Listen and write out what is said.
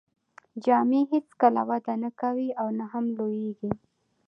جامې هیڅکله وده نه کوي او نه هم لوییږي.